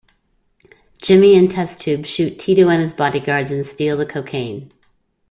Jimmy and Test Tube shoot Tito and his bodyguards and steal the cocaine.